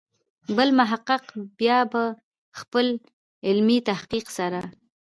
بل محقق بیا په خپل علمي تحقیق سره.